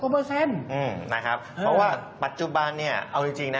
เพราะว่าปัจจุบันเนี่ยเอาจริงนะ